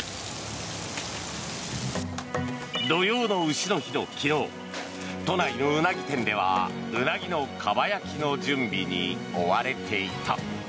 土用の丑の日の昨日都内のウナギ店ではウナギのかば焼きの準備に追われていた。